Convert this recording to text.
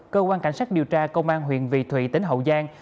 cơ quan cảnh sát điều tra công an huyện vị thủy tỉnh hậu giang